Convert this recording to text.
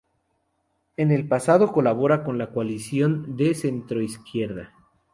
En el pasado colaboraba con la coalición de centroizquierda.